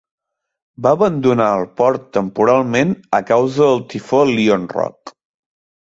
Va abandonar el port temporalment a causa del tifó Lionrock.